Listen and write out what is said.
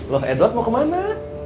loh edward mau kemana